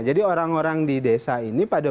jadi orang orang di desa ini pada